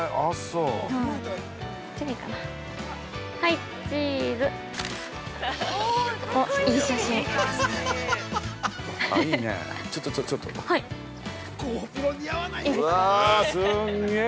うわ、すげえ。